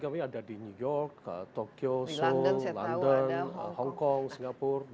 kami ada di new york tokyo seoul london hongkong singapura